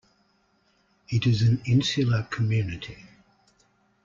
It is an insular community.